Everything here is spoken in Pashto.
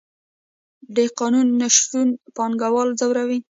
د قانون نشتون پانګوال ځوروي.